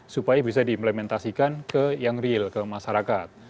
supaya bisa diimplementasikan ke yang real ke masyarakat